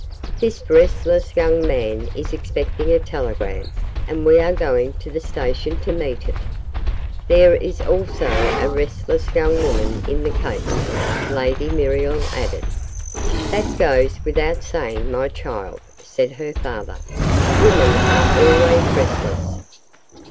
"This restless young man is expecting a telegram, and we are going to the Station to meet it." "There is also a restless young woman in the case," Lady Muriel added. "That goes without saying, my child," said her father. "Women are always restless!"